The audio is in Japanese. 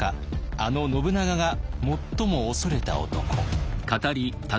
あの信長が最も恐れた男。